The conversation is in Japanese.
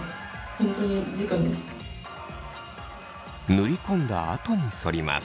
塗り込んだあとにそります。